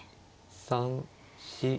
３４５。